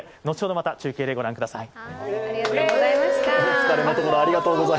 また中継でご覧ください。